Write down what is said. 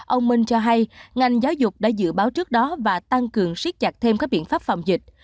ông minh cho hay ngành giáo dục đã dự báo trước đó và tăng cường siết chặt thêm các biện pháp phòng dịch